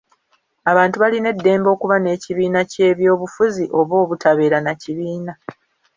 Abantu balina eddembe okuba n'ekibiina ky'ebyobufuzi oba obutabeera na kibiina.